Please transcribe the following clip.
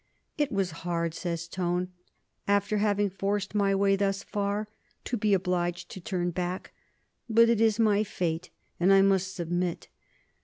"It was hard," says Tone, "after having forced my way thus far, to be obliged to turn back; but it is my fate, and I must submit.